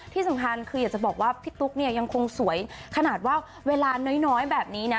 ที่สำคัญคืออยากจะบอกว่าพี่ตุ๊กเนี่ยยังคงสวยขนาดว่าเวลาน้อยแบบนี้นะ